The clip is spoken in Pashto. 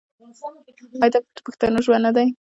آیا دا د پښتنو ژوند نه دی؟